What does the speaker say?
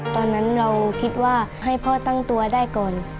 ตอนนั้นเราคิดว่าให้พ่อตั้งตัวได้ก่อน